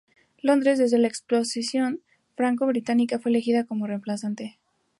Londres, sede de la Exposición Franco-Británica, fue elegida como reemplazante.